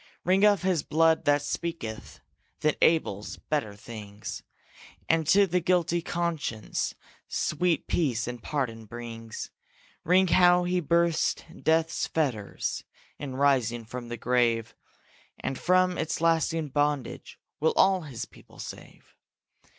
Ring of his blood that speaketh Than Abel's, better things, And to the guilty conscience Sweet peace and pardon brings. Ring how he burst death's fetters In rising from the grave, And from its lasting bondage Will all his people save.